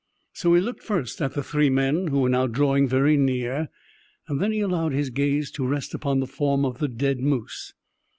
So he looked first at the three men, who were now drawing very near; then he allowed his gaze to rest upon the form of the dead moose.